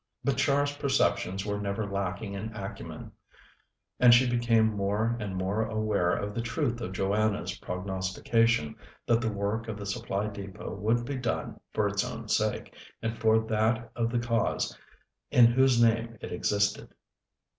But Char's perceptions were never lacking in acumen, and she became more and more aware of the truth of Joanna's prognostication that the work of the Supply Depôt would be done for its own sake, and for that of the cause in whose name it existed.